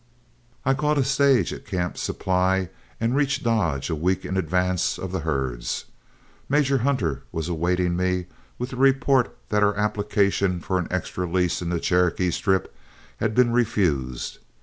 I caught a stage at Camp Supply and reached Dodge a week in advance of the herds. Major Hunter was awaiting me with the report that our application for an extra lease in the Cherokee Strip had been refused.